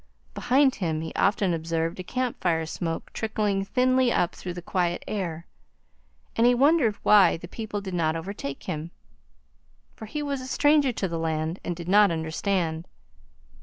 Behind him he often observed a camp fire smoke trickling thinly up through the quiet air, and he wondered why the people did not overtake him. For he was a stranger to the land and did not understand.